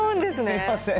すみません。